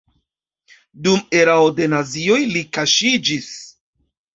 Dum erao de nazioj li kaŝiĝis.